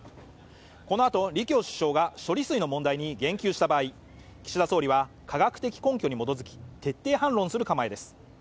このあと李強首相が処理水の問題に言及した場合、岸田総理は科学的根拠に基づき徹底反論する構えです。